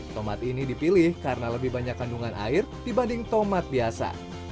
tomat ini dipilih karena lebih banyak kandungan air dibanding tomat biasa